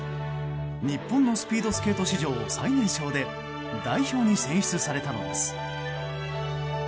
日本のスピードスケート史上最年少で代表に選出されたのです。